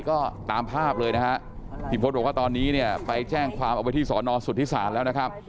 ก็ตามภาพเลยนะฮะพี่พศบอกว่าตอนนี้เนี่ยไปแจ้งความเอาไว้ที่สอนอสุทธิศาลแล้วนะครับ